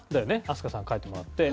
飛鳥さん書いてもらって。